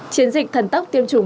chiến dịch thần tốc tiêm chủng